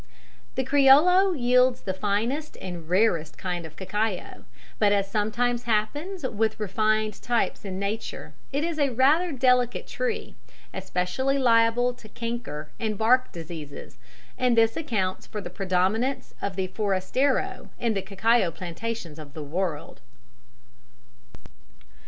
The criollo yields the finest and rarest kind of cacao, but as sometimes happens with refined types in nature, it is a rather delicate tree, especially liable to canker and bark diseases, and this accounts for the predominance of the forastero in the cacao plantations of the world.